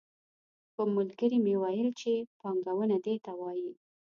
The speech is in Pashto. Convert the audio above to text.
کوم ملګري مې ویل چې پانګونه دې ته وايي.